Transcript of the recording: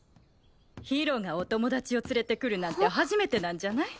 ひろがお友達を連れて来るなんて初めてなんじゃない？